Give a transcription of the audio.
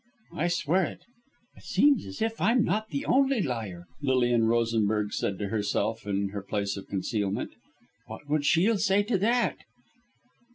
"I swear it." "It seems as if I'm not the only liar!" Lilian Rosenberg said to herself in her place of concealment. "What would Shiel say to that?"